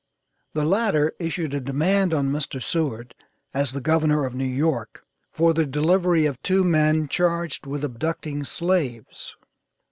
The latter issued a demand on Mr. Seward, as the Governor of New York, for the delivery of two men charged with abducting slaves.